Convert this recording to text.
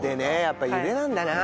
やっぱ茹でなんだな。